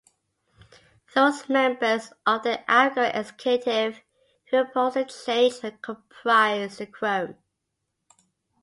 Those members of the outgoing Executive who opposed the change comprised a quorum.